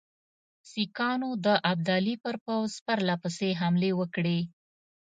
سیکهانو د ابدالي پر پوځ پرله پسې حملې وکړې.